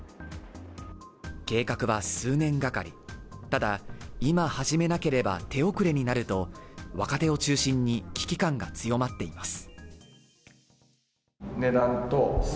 計画は数年がかりただ、今始めなければ手遅れになると若手を中心に危機感が強まっています